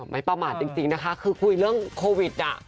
ไม่ประมาทจริงนะคะคือคุยเรื่องโควิด